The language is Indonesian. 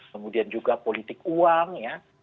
kemudian juga politik uang ya